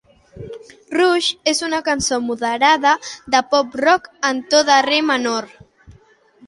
"Rush" és una cançó moderada de pop rock en to de re menor.